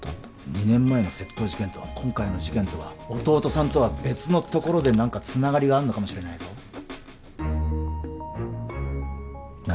２年前の窃盗事件と今回の事件とは弟さんとは別のところで何かつながりがあんのかもしれないぞ何？